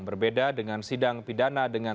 berbeda dengan sidang pidana